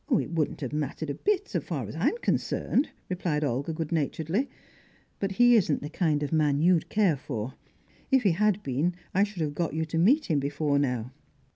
"It wouldn't have mattered a bit, so far as I'm concerned," replied Olga good naturedly. "But he isn't the kind of man you'd care for. If he had been, I should have got you to meet him before now."